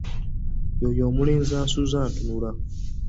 Yoyo omulenzi ansuza ntunula!